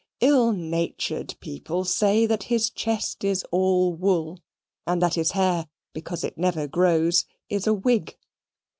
Ill natured people say that his chest is all wool, and that his hair, because it never grows, is a wig.